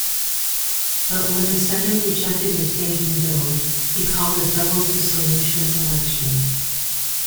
But when the Senate rejected his banking bill, he called a double dissolution election.